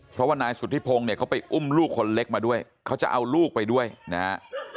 เพราะว่านายสุธิพงศ์เนี่ยเขาไปอุ้มลูกคนเล็กมาด้วยเขาจะเอาลูกไปด้วยนะฮะ